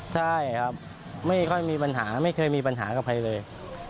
ใช่ครับไม่ค่อยมีปัญหาไม่เคยมีปัญหากับใครเลย